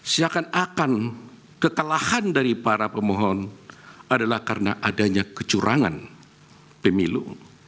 seakan akan ketelahan dari para pemohon adalah karena adanya kecurangan pemilu